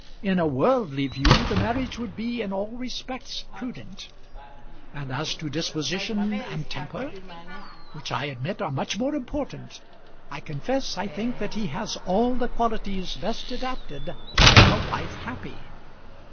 In a worldly view the marriage would be in all respects prudent; and as to disposition and temper, which I admit are much more important, I confess I think that he has all the qualities best adapted to make a wife happy.